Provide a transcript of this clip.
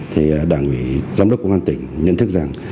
thì đảng ủy giám đốc công an tỉnh nhận thức rằng